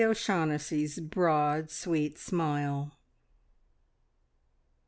O'Shaughnessy's broad, sweet smile.